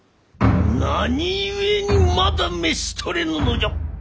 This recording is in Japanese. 「何故にまだ召し捕れぬのじゃ！